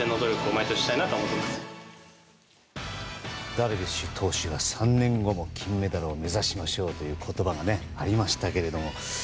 ダルビッシュ投手が３年後も金メダルを目指しましょうという言葉がありましたけども。